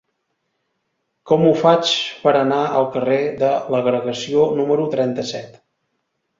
Com ho faig per anar al carrer de l'Agregació número trenta-set?